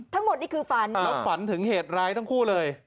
ทั้งหมดนี่คือฝันแล้วฝันถึงเหตุร้ายทั้งคู่เลย